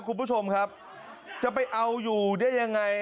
คุณผู้ชมครับจะไปเอาอยู่ได้ยังไง